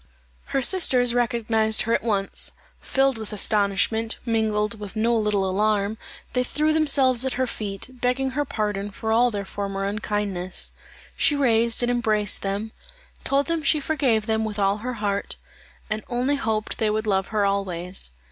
Her sisters recognized her at once. Filled with astonishment, mingled with no little alarm, they threw themselves at her feet, begging her pardon for all their former unkindness. She raised and embraced them: told them she forgave them with all her heart, and only hoped they would love her always.